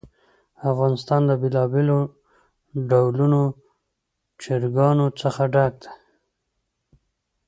افغانستان له بېلابېلو ډولو چرګانو څخه ډک دی.